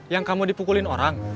yang kamu dipukulin orang